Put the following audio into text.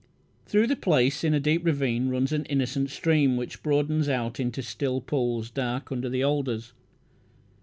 Through the place in a deep ravine runs an innocent stream which broadens out into still pools, dark under the alders.